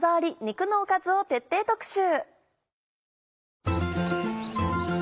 肉のおかず」を徹底特集。